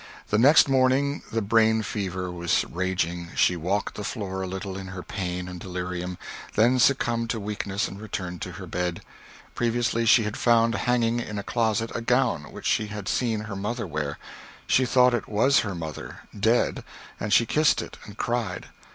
The next morning the brain fever was raging. She walked the floor a little in her pain and delirium, then succumbed to weakness and returned to her bed. Previously she had found hanging in a closet a gown which she had seen her mother wear. She thought it was her mother, dead, and she kissed it, and cried.